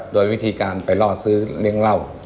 โดยวิธีการไปล่อซื้อเลี้ยงเหล้า